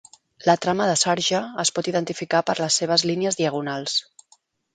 La trama de sarja es pot identificar per les seves línies diagonals.